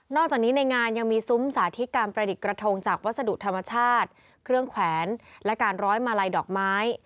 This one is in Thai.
จากนี้ในงานยังมีซุ้มสาธิตการประดิษฐ์กระทงจากวัสดุธรรมชาติเครื่องแขวนและการร้อยมาลัยดอกไม้